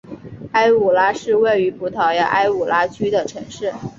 埃武拉是位于葡萄牙埃武拉区的城市。